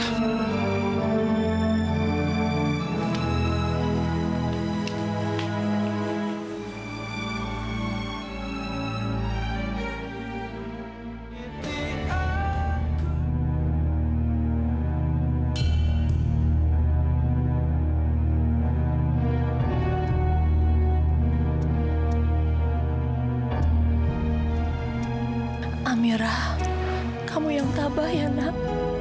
amirah kamu yang tabah ya nak